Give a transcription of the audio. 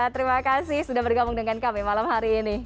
terima kasih sudah bergabung dengan kami malam hari ini